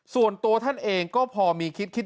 ส่วนตัวท่านเองก็พอมีคิด